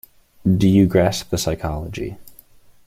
Do you grasp the psychology?